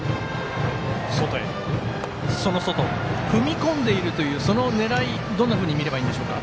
踏み込んでいるというその狙いどんなふうに見ればいいんでしょうか。